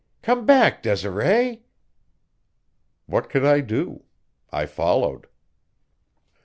Come back, Desiree!" What could I do? I followed.